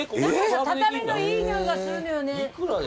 畳のいい匂いがするのよね。